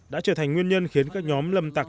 đã trở thành nguyên nhân khiến các nhóm lâm tặc